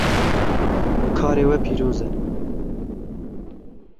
Karê we pîroz e.